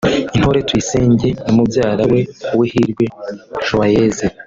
Intore Tuyisenge na mubyara we Uwihirwe Joyeuse